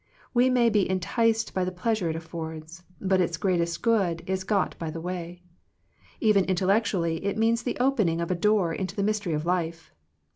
We may be en ticed by the pleasure it affords, but its greatest good is got by the way. Even intellectually it means the opening of a door into the mystery of life.